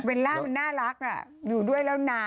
เบลลาฮ์มันน่ารักอะอยู่ด้วยแล้วนะ